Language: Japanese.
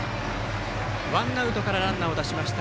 ワンアウトからランナーを出しました